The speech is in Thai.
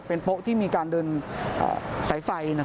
เป็นโป๊ะที่มีการเดินสายไฟ